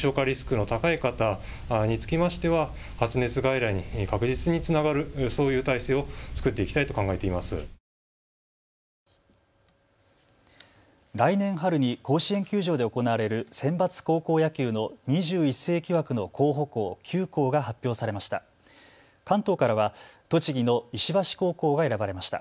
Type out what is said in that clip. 来年春に甲子園球場で行われるセンバツ高校野球の２１世紀枠の候補校、９校が発表されました。